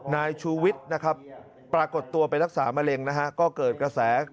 นายชุวิตปรากฏตัวไปรักษามะเร็งก็เกิดกระแส